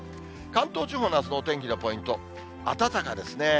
関東地方のあすのお天気のポイント、あたたかですね。